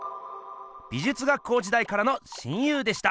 美術学校時代からの親友でした。